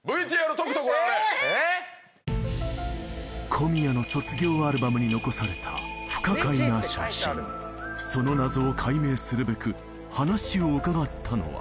小宮の卒業アルバムに残された不可解な写真その謎を解明するべく話を伺ったのは